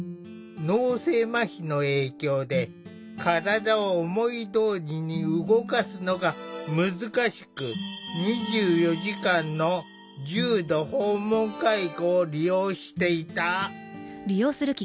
脳性まひの影響で体を思いどおりに動かすのが難しく２４時間の重度訪問介護を利用していた。